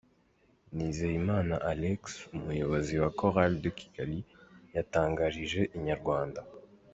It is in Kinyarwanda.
Nizeyimana Alex umuyobozi wa Chorale de Kigali yatangarije Inyarwanda.